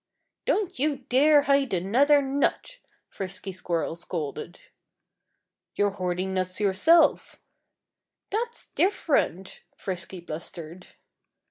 "Don't you dare hide another nut!" Frisky Squirrel scolded. "You're hoarding nuts yourself!" "That's different," Frisky blustered.